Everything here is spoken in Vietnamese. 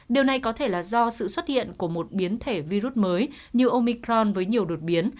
điều này có thể là do sự xuất hiện của một biến thể virus mới như omicron với nhiều đột biến